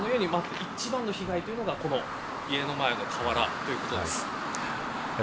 ご覧のように一番の被害というのが家の前の瓦ということです。